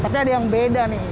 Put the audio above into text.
tapi ada yang beda nih